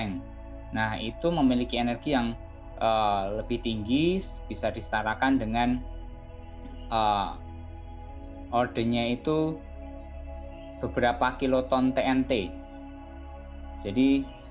nah itu kejadian ini jarang terjadi